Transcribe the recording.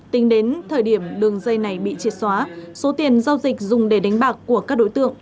tính đến thời điểm đường dây này bị triệt xóa số tiền giao dịch dùng để đánh bạc của các đối tượng